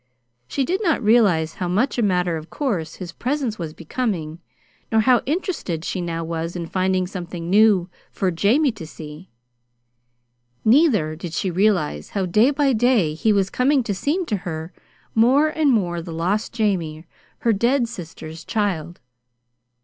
She did not realize how much a matter of course his presence was becoming, nor how interested she now was in finding something new "for Jamie to see." Neither did she realize how day by day he was coming to seem to her more and more the lost Jamie, her dead sister's child.